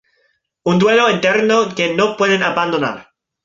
Un duelo eterno que no pueden abandonar.